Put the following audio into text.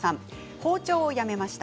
包丁をやめました。